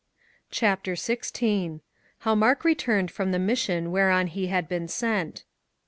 CHAPTER XVI. How Mark returned from the Mission whereon he had BEEN SENT.